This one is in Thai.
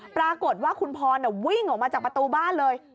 ปรากฏว่าคุณพรวิ่งออกมาจากประตูบ้านเลย